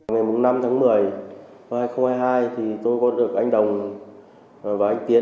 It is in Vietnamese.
ngày năm tháng một mươi năm hai nghìn hai mươi hai tôi có được anh đồng và anh tiến